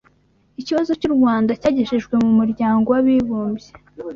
ikibazo cy’u Rwanda cyagejejwe mu Muryango w’Abibumbye